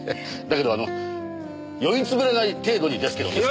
だけどあの酔い潰れない程度にですけどね。